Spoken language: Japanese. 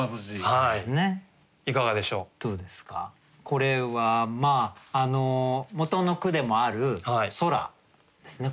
これはまあ元の句でもある「空」ですね。